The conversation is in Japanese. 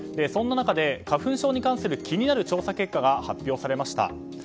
そんな中で花粉症に関する気になる調査結果が発表されました。